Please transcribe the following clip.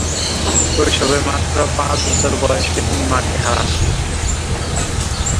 শৈশবে মাত্র পাঁচ বছর বয়সে তিনি মাকে হারান।